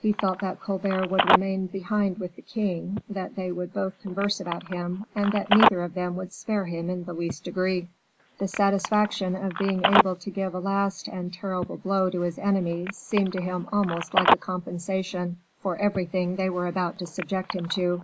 He felt that Colbert would remain behind with the king, that they would both converse about him, and that neither of them would spare him in the least degree. The satisfaction of being able to give a last and terrible blow to his enemy seemed to him almost like a compensation for everything they were about to subject him to.